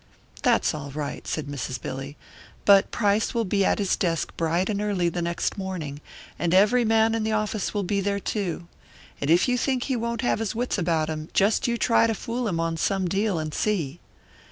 "That's all right," said Mrs. Billy, "but Price will be at his desk bright and early the next morning, and every man in the office will be there, too. And if you think he won't have his wits about him, just you try to fool him on some deal, and see.